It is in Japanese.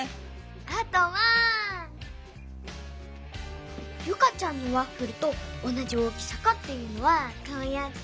あとはユカちゃんのワッフルとおなじ大きさかっていうのはこうやって。